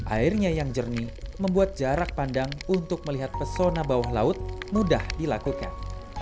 airnya yang jernih membuat jarak pandang untuk melihat pesona bawah laut mudah dilakukan